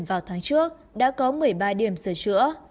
vào tháng trước đã có một mươi ba điểm sửa chữa